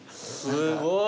すごい。